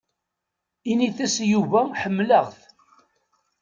Init-as i Yuba ḥemmleɣ-t.